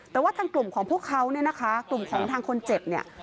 แต่ว่าทางกลุ่มของพวกเขาเนี่ยนะคะกลุ่มของทางคนเจ็บเนี่ย